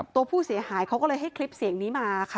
ตัวผู้เสียหายเขาก็เลยให้คลิปเสียงนี้มาค่ะ